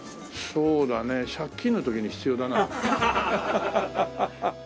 そうだね借金の時に必要だな。